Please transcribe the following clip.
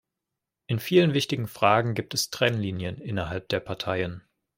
In vielen wichtigen Fragen gibt es Trennlinien innerhalb der Parteien.